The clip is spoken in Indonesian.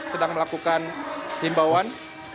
sedang melakukan simbawan